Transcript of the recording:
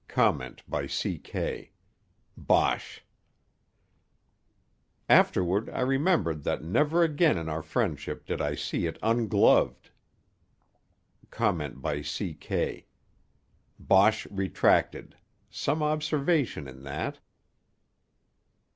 (Comment by C. K.: Bosh!) Afterward I remembered that never again in our friendship did I see it ungloved. (Comment by C. K.: _"Bosh" retracted. Some observation in that!